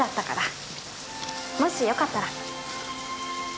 もしよかったら。